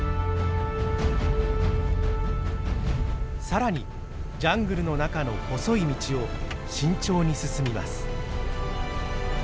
さらにジャングルの中の細い道を慎重に進みます。